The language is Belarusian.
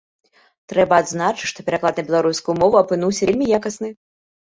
Трэба адзначыць, што пераклад на беларускую мову апынуўся вельмі якасны.